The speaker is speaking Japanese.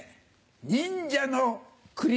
忍者のクリ。